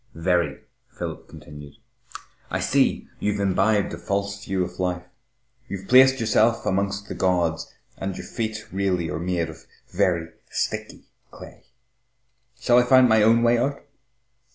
"Very," Philip continued. "You see, you've imbibed a false view of life. You've placed yourself amongst the gods and your feet really are made of very sticky clay.... Shall I find my own way out?"